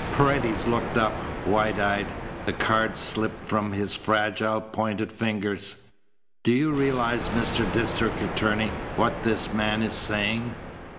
Paredes looked up, wide eyed. The cards slipped from his fragile, pointed fingers. "Do you realize, Mr. District Attorney, what this man is saying?"